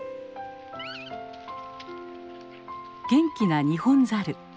元気なニホンザル。